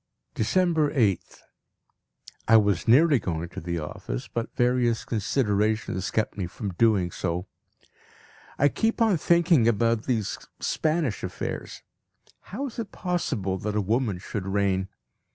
December 8th. I was nearly going to the office, but various considerations kept me from doing so. I keep on thinking about these Spanish affairs. How is it possible that a woman should reign?